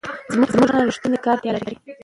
زموږ ټولنه رښتیني کار ته اړتیا لري.